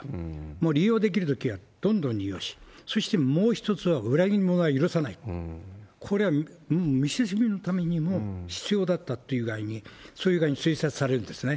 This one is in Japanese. もう利用できるときはどんどん利用し、そして、もう一つは裏切り者は許さない、これは見せしめのためにも必要だったっていう具合に、そういう具合に推察されるんですね。